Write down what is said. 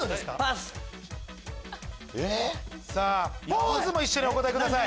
ポーズも一緒にお答えください。